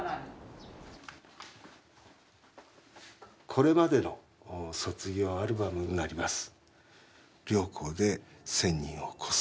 これまでの卒業アルバムになります。